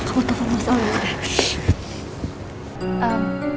kalo tau masalah